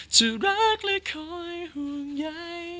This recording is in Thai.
จะรักและคอยห่วงใย